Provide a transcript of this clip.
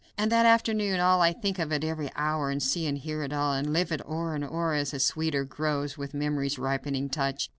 And that afternoon! Ah! I think of it every hour, and see and hear it all, and live it o'er and o'er, as it sweeter grows with memory's ripening touch.